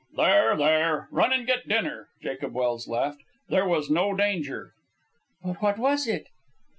"There, there. Run and get dinner," Jacob Welse laughed. "There was no danger." "But what was it?"